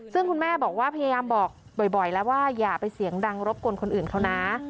ซึ่งคุณแม่บอกว่าพยายามบอกบ่อยแล้วว่าอย่าไปเสียงดังรบกวนคนอื่นเขานะ